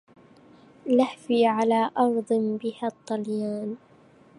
لهفي على أرض بها الطليان